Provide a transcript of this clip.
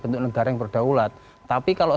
bentuk negara yang berdaulat tapi kalau